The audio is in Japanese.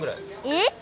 えっ！